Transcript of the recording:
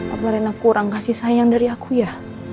apa rena kurang kasih sayang dari aku ya